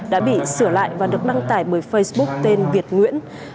đã bị sửa lại và được đăng tải bởi facebook tên việt nguyễn